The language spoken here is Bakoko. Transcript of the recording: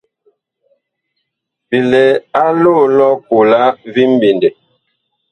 Bi lɛ a loo lʼ ɔkola vi mɓendɛ.